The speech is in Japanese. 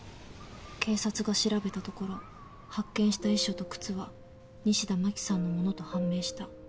警察が調べたところ発見した遺書と靴は西田真紀さんの物と判明した。